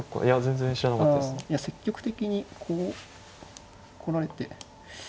積極的にこう来られて。